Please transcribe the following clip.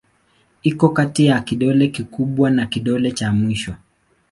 Iko kati ya kidole kikubwa na kidole cha mwisho.